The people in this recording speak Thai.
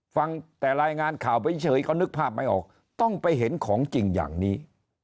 ฟังแต่รายงานข่าวไปเฉยก็นึกภาพไม่ออกต้องไปเห็นของจริงอย่างนี้